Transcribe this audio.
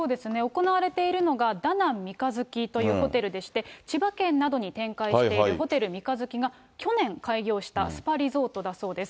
行われているのが、ダナン三日月というホテルでして、千葉県などに展開しているホテル三日月が、去年開業したスパリゾートだそうです。